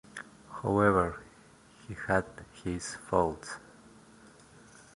However he had his faults.